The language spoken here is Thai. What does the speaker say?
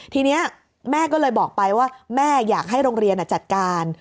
ทีนี้แม่ก็เลยบอกไปว่าแม่อยากให้โรงเรียนจัดการ